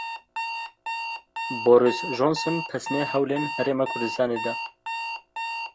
Boris Johnson pesnê hewlên Herêma Kurdistanê da.